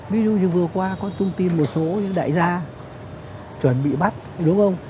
ví dụ như vừa qua có tung tin một số những đại gia chuẩn bị bắt đúng không